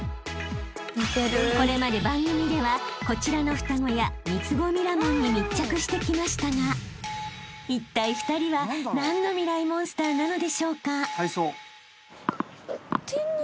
［これまで番組ではこちらの双子や三つ子ミラモンに密着してきましたがいったい２人は何のミライ☆モンスターなのでしょうか？］